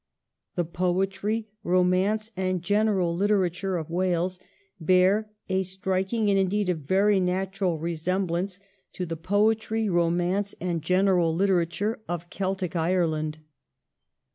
The poetry, romance, and general literature of Wales bear a striking, and indeed a very natural, resemblance to the poetry, romance, and general literature of Celtic Ireland.